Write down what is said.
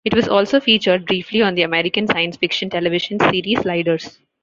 It was also featured briefly on the American science fiction television series "Sliders".